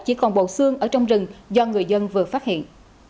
chỉ còn bộ xương ở trong rừng do người dân vừa phát hiện